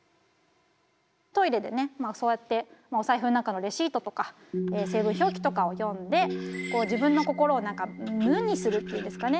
トイレでねそうやってお財布の中のレシートとか成分表記とかを読んで自分の心を何か無にするっていうんですかね。